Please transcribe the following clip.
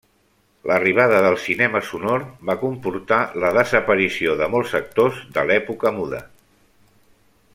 L'arribada del cinema sonor va comportar la desaparició de molts actors de l'època muda.